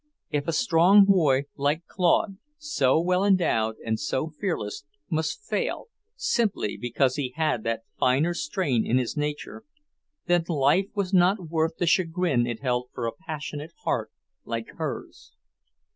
If a strong boy like Claude, so well endowed and so fearless, must fail, simply because he had that finer strain in his nature, then life was not worth the chagrin it held for a passionate heart like hers.